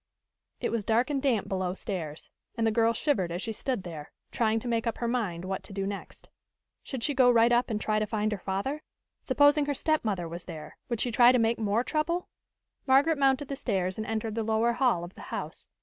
It was dark and damp below stairs, and the girl shivered as she stood there, trying to make up her mind what to do next. Should she go right up and try to find her father? Supposing her stepmother was there, would she try to make more trouble? Margaret mounted the stairs and entered the lower hall of the house.